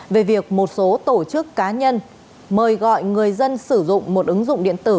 về việc một số tổ chức cá nhân mời gọi người dân sử dụng một ứng dụng điện tử